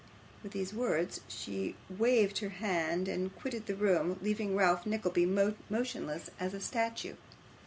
With these words, she waved her hand, and quitted the room, leaving Ralph Nickleby motionless as a statue.